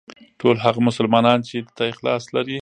ټول هغه مسلمانان چې ده ته اخلاص لري.